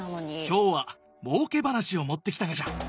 今日はもうけ話を持ってきたがじゃ。